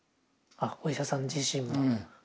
あお医者さん自身が。